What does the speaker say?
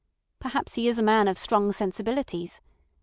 Perhaps he is a man of strong sensibilities.